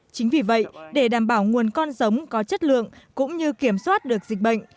chính vì vậy để đảm bảo nguồn con giống có chất lượng cũng như kiểm soát được dịch bệnh